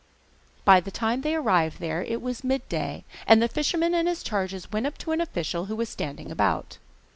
By the time they arrived there it was midday, and the fisherman and his charges went up to an official who was standing about.